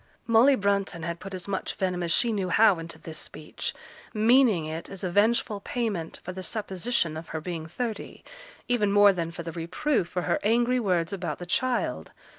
Molly Brunton had put as much venom as she knew how into this speech, meaning it as a vengeful payment for the supposition of her being thirty, even more than for the reproof for her angry words about the child.